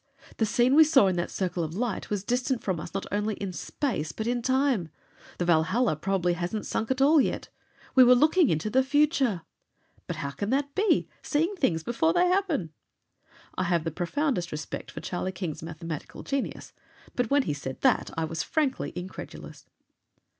The scene we saw in that circle of light was distant from us not only in space but in time. The Valhalla probably hasn't sunk yet at all. We were looking into the future!" "But how can that be? Seeing things before they happen!" I have the profoundest respect for Charlie King's mathematical genius. But when he said that I was frankly incredulous.